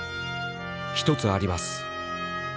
「１つあります。